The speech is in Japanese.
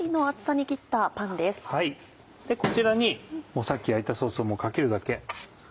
こちらにさっき焼いたソースをかけるだけ。